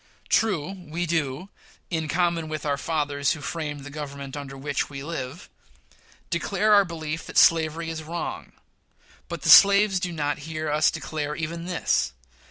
True, we do, in common with "our fathers, who framed the Government under which we live," declare our belief that slavery is wrong; but the slaves do not hear us declare even this.